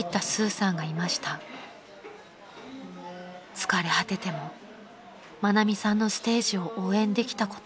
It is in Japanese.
［疲れ果てても愛美さんのステージを応援できたこと］